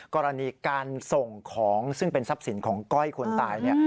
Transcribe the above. กรณีการส่งของซึ่งเป็นทรัพย์สินของก้อยคนตาย